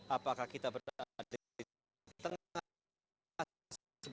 apakah kita berada di tengah tengah